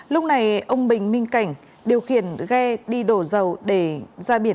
lúc này ông bình minh cảnh điều khiển ghe đi đổ dầu để ra biển